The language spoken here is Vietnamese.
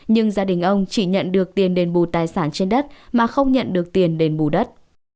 nhưng gia đình ông chỉ nhận được tiền đền bù tài sản trên đất mà không nhận được tiền đền bù đất